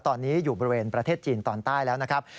ตอนนี้อยู่บริเวณประเทศจีนตอนใต้แล้วนะครับ